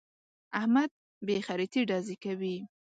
احمد بې خريطې ډزې کوي.